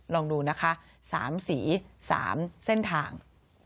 ลองดูนะคะ๓สี๓เส้นทาง